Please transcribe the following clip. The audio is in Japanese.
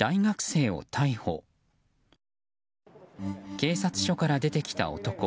警察署から出てきた男。